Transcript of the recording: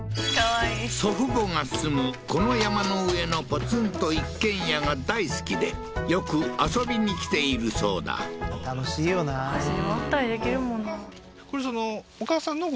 祖父母が住むこの山の上のポツンと一軒家が大好きでよく遊びに来ているそうだ楽しいよな走り回ったりできるもんな